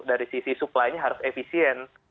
dari sisi supply nya harus efisien